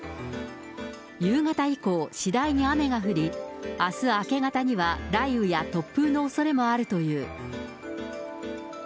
夕方以降、次第に雨が降り、あす明け方には雷雨や突風のおそれもあるという。